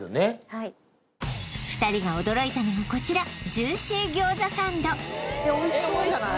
はい２人が驚いたのがこちらえっおいしそうじゃない？